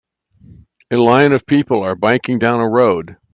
A line of people are biking down a road.